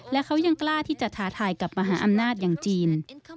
และเขายังกล้าที่จะท้าทายกับมหาอำนาจอย่างจีน